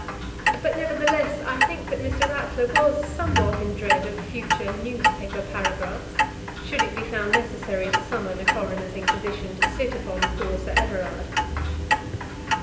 But nevertheless I think that Mr. Ratler was somewhat in dread of future newspaper paragraphs, should it be found necessary to summon a coroner's inquisition to sit upon poor Sir Everard.